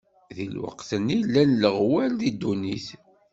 Di lweqt-nni, llan leɣwal di ddunit.